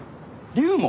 龍門？